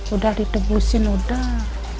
udah ditebusin udah